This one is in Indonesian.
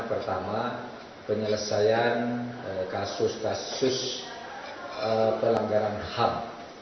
pertama penyelesaian kasus kasus pelanggaran ham